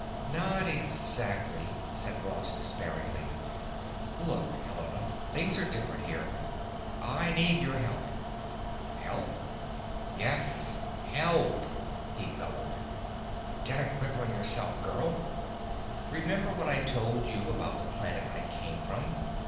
"Not exactly," said Ross despairingly. "Look, Helena, things are different here. I need your help." "Help?" "Yes, help!" he bellowed. "Get a grip on yourself, girl. Remember what I told you about the planet I came from?